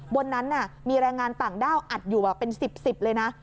บนนั้นมีแรงงานต่างด้าวอัดอยู่เป็น๑๐๑๐เลยนะ